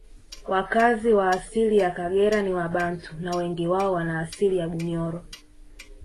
Wakazi wa asili ya Kagera ni wabantu na wengi wao wanaasili ya Bunyoro